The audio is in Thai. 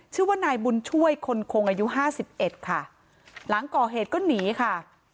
ชื่อว่านายบุญช่วยคนคงอายุห้าสิบเอ็ดค่ะหลังก่อเหตุก็หนีค่ะ